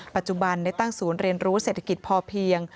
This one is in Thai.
ปัจจุบันได้ตั้งศูนย์เรียนรู้เศรษฐกิจพอเพียง